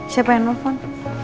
siapa yang telepon